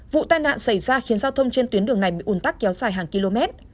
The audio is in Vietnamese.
vụ tai nạn xảy ra khiến giao thông trên tuyến đường này bị ùn tắc kéo dài hàng km